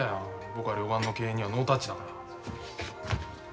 僕は旅館の経営にはノータッチだから。